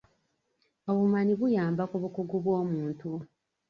Obumanyi buyamba ku bukugu bw'omuntu.